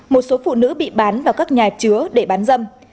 một số phụ nữ bị bán vào các nhà chứa để bán dâm